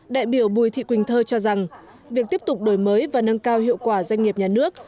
đại biểu bùi thị quỳnh thơ cho rằng việc tiếp tục đổi mới và nâng cao hiệu quả doanh nghiệp nhà nước